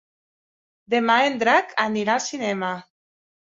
Demà en Drac irà al cinema.